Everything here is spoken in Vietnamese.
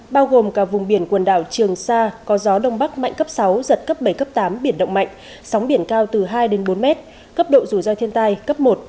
bao gồm cả vùng biển quần đảo trường sa có gió đông bắc mạnh cấp sáu giật cấp bảy cấp tám biển động mạnh sóng biển cao từ hai đến bốn mét cấp độ rủi ro thiên tai cấp một